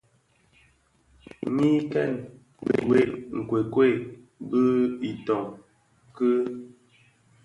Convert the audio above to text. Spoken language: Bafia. Nyi kèn gwed nkuekued bi itön ki.